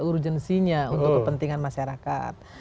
urgensinya untuk kepentingan masyarakat